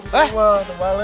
wah ini gimana